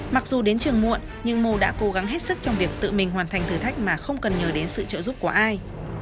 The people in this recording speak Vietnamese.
mặc dù đến trường muộn nhưng mô đã cố gắng hết sức trong việc tự mình hoàn thành thử thách mà không cần nhờ đến sự trợ giúp của ai